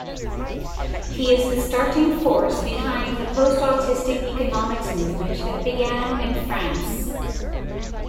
He is the starting force behind the Post-autistic economics movement that began in France.